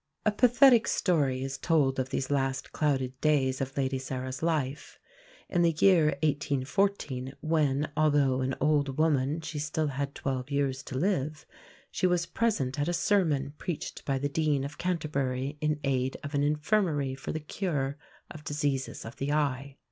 A pathetic story is told of these last clouded days of Lady Sarah's life. In the year 1814, when, although an old woman she had still twelve years to live, she was present at a sermon preached by the Dean of Canterbury in aid of an Infirmary for the cure of diseases of the eye.